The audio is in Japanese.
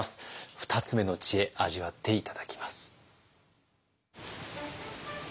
２つ目の知恵味わって頂きます。